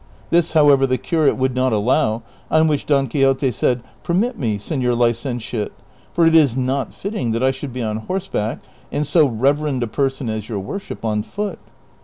This, however, the curate would not allow, on which Don Quixote said, " Permit me, seiior licentiate, for it is not fitting that I should be on horseback and so rever end a person as your worship on foot."